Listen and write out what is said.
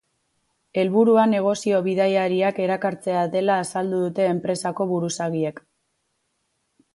Helburua negozio bidaiariak erakartzea dela azaldu dute enpresako buruzagiek.